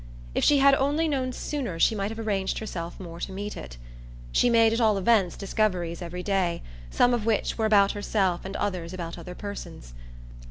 If she had only known sooner she might have arranged herself more to meet it. She made at all events discoveries every day, some of which were about herself and others about other persons.